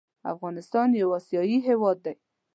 افغانستان يو اسياى هيواد دى